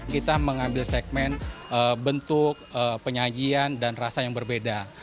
kita mengambil segmen bentuk penyajian dan rasa yang berbeda